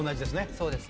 そうですね。